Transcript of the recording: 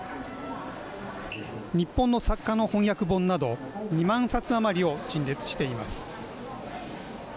日本の作家の翻訳本など２万冊あまりを陳列しています。